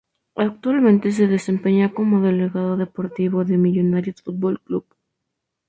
Actualmente se desempeña como delegado deportivo de Millonarios Fútbol Club.